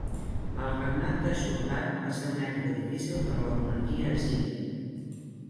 El regnat d'Ashur-dan va ser una època difícil per a la monarquia assíria.